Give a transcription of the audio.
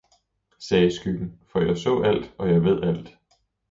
sagde skyggen, for jeg så alt og jeg ved alt!